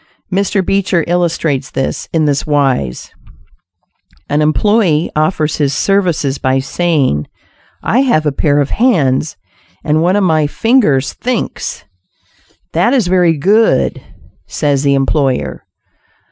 Mr. Beecher illustrates this, in this wise: An employee offers his services by saving, "I have a pair of hands and one of my fingers thinks." "That is very good," says the employer.